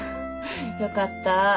よかった。